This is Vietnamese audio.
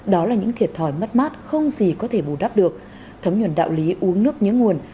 đó là những thiệt thòi mất mát không gì có thể bù đắp được thấm nhuận đạo lý uống nước nhớ nguồn